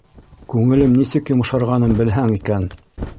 Күңелем нисек йомшарғанын белһәң икән.